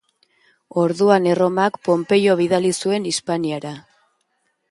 Orduan Erromak Ponpeio bidali zuen Hispaniara.